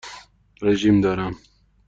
رژیم دارم.